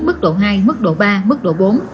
mức độ hai mức độ ba mức độ bốn